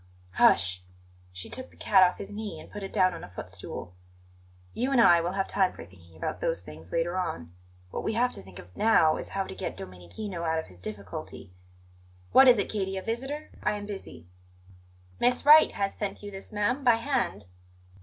"Hush!" She took the cat off his knee and put it down on a footstool. "You and I will have time for thinking about those things later on. What we have to think of now is how to get Domenichino out of his difficulty. What is it, Katie; a visitor? I am busy." "Miss Wright has sent you this, ma'am, by hand."